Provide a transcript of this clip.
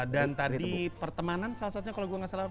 dan tadi pertemanan salah satunya kalau gue gak salah